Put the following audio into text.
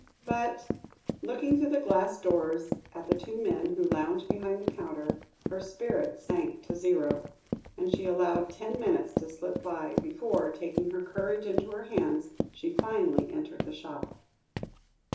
But, looking through the glass doors at the two men who lounged behind the counter, her spirits sank to zero, and she allowed ten minutes to slip by before, taking her courage into her hands, she finally entered the shop.